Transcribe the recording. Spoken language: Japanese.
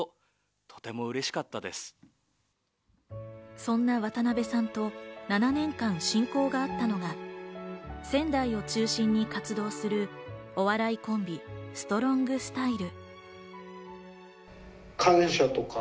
そんな渡辺さんと７年間、親交があったのが仙台を中心に活動するお笑いコンビ、ストロングスタイル。